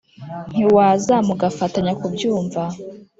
ntiwaza mugafatanya kubyumva